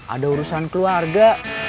ada urusan keluarga